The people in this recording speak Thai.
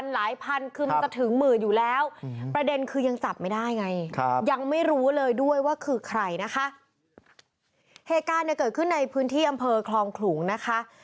เหตุการณ์เกิดขึ้นในพื้นที่อำเภอคลองขลุงนะคะ